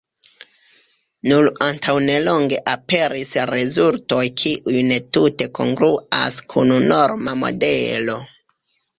Nur antaŭnelonge aperis rezultoj kiuj ne tute kongruas kun norma modelo.